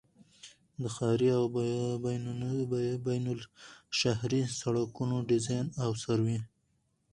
د ښاري او بینالشهري سړکونو ډيزاين او سروې